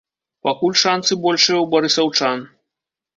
Пакуль шансы большыя ў барысаўчан.